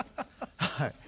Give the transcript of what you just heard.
はい。